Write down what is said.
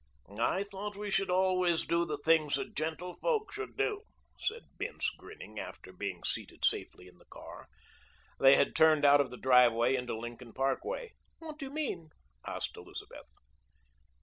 "I thought we should always do the things that gentle folk should do," said Bince, grinning, after being seated safely in the car. They had turned out of the driveway into Lincoln Parkway. "What do you mean?" asked Elizabeth.